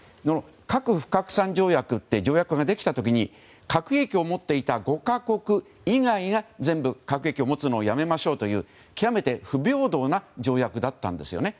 核不拡散条約っていう条約ができた時に核兵器を持っていた５か国以外が全部核兵器を持つのをやめましょうという極めて不平等な条約だったんですよね。